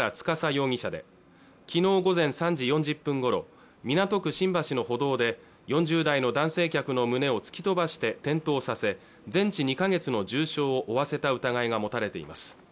容疑者で昨日午前３時４０分ごろ港区新橋の歩道で４０代の男性客の胸を突き飛ばして転倒させ全治２か月の重傷を負わせた疑いが持たれています